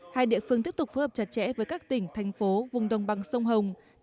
hai địa phương tiếp tục phối hợp chặt chẽ với các tỉnh thành phố vùng đồng bằng sông hồng